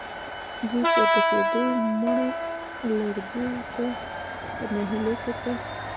دوی پورته کېدونکو مړو لوګيو ته په ناهيلۍ کتل.